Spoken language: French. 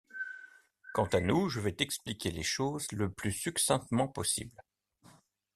Quant à nous, je vais t’expliquer les choses le plus succinctement possible.